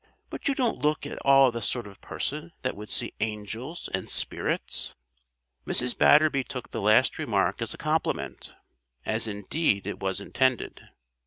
"But you don't look at all the sort of person that would see angels and spirits." Mrs. Batterby took the last remark as a compliment; as indeed it was intended.